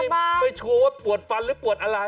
ไม่โชว์ว่าปวดฟันหรือปวดอะไร